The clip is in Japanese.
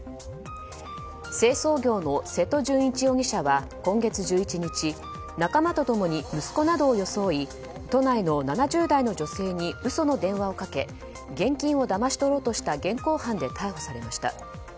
清掃業の瀬戸淳一容疑者は今月１１日仲間と共に息子などを装い都内の７０代の女性に嘘の電話をかけ現金をだまし取ろうとした現行犯で逮捕されました。